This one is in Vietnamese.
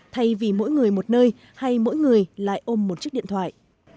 thay vì mỗi người một nơi hay mỗi người lại ôm một chiếc điện thoại